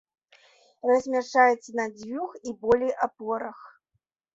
Размяшчаецца на дзвюх і болей апорах.